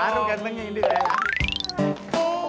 baru gantengnya ini kaya